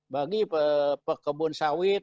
bagi pekebun sawit